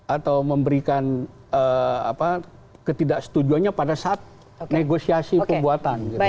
atau memberikan ketidak setujuannya pada saat negosiasi pembuatan